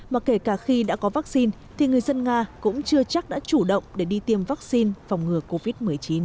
mà kể cả khi đã có vaccine thì người dân nga cũng chưa chắc đã chủ động để đi tiêm vaccine phòng ngừa covid một mươi chín